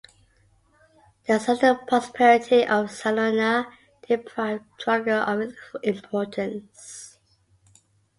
The sudden prosperity of Salona deprived Trogir of its importance.